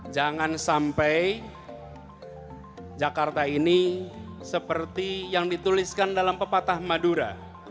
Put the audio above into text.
jangan sampai jakarta ini seperti yang dituliskan dalam pepatah madura